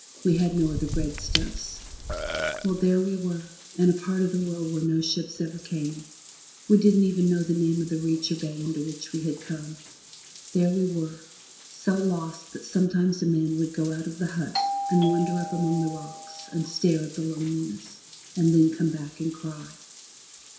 We had no other breadstufifs. Well, there we were, in a part of the world where no ships ever came. We didn't even know the name of the reach or bay into which we had come. There we were, so lost that sometimes a man would go out of the hut and wander up among the rocks, and stare at the loneliness, and then come back and cry.